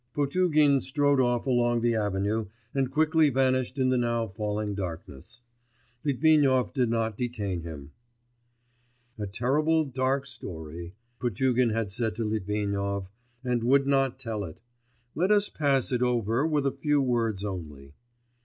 Potugin strode off along the avenue and quickly vanished in the now falling darkness. Litvinov did not detain him. 'A terrible dark story....' Potugin had said to Litvinov, and would not tell it.... Let us pass it over with a few words only.